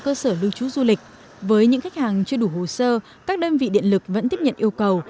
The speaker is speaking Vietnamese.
cơ sở lưu trú du lịch với những khách hàng chưa đủ hồ sơ các đơn vị điện lực vẫn tiếp nhận yêu cầu